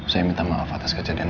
saya minta maaf atas kejadian